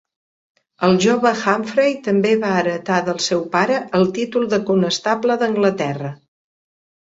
El jove Humphrey també va heretar del seu pare el títol de Conestable d'Anglaterra.